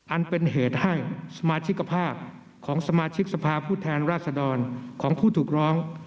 อันเป็นเหตุให้สมาชิกภาพของสมาชิกสภาพผู้แทนราชดรของผู้ถูกร้อง